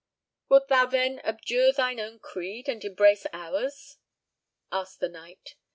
"Wilt thou then abjure thine own creed, and embrace ours?" asked the Knight.